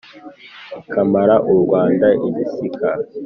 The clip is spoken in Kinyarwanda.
Ikamara u Rwanda igishyika.